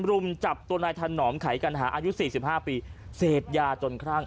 ลุมจับตัวนายถนอมไข่กันฮะอายุสี่สิบห้าปีเสพยาจนคร่าง